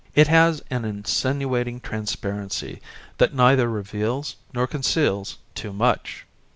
It has an insinuating transparency that neither reveals nor conceals too much.